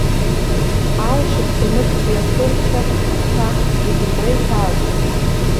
Алшықәсаныктәи аԥырча, аҭәа зегьы убра иҭаагәон.